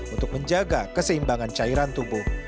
untuk menjaga keseimbangan cairan tubuh